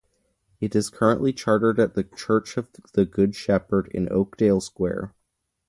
It is currently chartered at the Church of the Good Shepard in Oakdale Square.